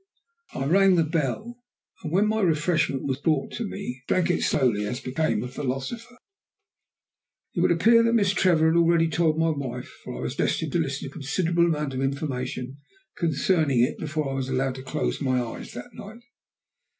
I rang the bell, and, when my refreshment was brought to me, drank it slowly, as became a philosopher. It would appear that Miss Trevor had already told my wife, for I was destined to listen to a considerable amount of information concerning it before I was allowed to close my eyes that night.